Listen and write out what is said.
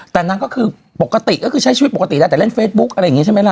แต่นางก็คือปกติก็คือใช้ชีวิตปกติแล้วแต่เล่นเฟซบุ๊กอะไรอย่างนี้ใช่ไหมล่ะ